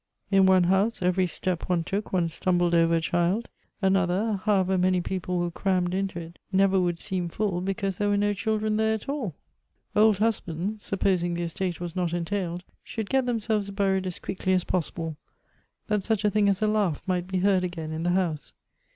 In one house, every step one took one stumbled over a child ; another, however many people were crammed into it, never would seem full, because there were no children there at all. Old hus bands (supposing the estate was not entailed) should get themselves buried as quickly as possible, that such a thing as a laugh might be heard again in tlie house.